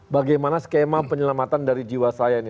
bagaimana skema penyelamatan dari jiwaseraya ini